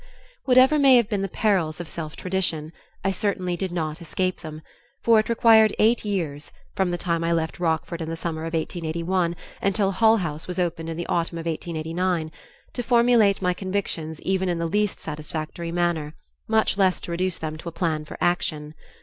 Whatever may have been the perils of self tradition, I certainly did not escape them, for it required eight years from the time I left Rockford in the summer of 1881 until Hull House was opened in the the autumn of 1889 to formulate my convictions even in the least satisfactory manner, much less to reduce them to a plan for action.